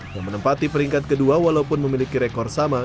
yang menempati peringkat ke dua walaupun memiliki rekor sama